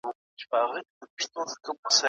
که په ویډیو کي اضافي برخي وي نو هغه باید پرې کړي.